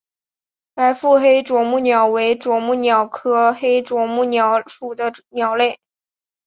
白腹黑啄木鸟为啄木鸟科黑啄木鸟属的鸟类。